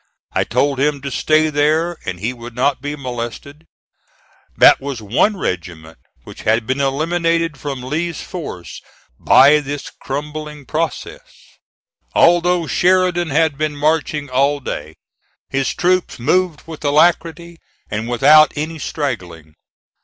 I told him to stay there and he would not be molested. That was one regiment which had been eliminated from Lee's force by this crumbling process. Although Sheridan had been marching all day, his troops moved with alacrity and without any straggling.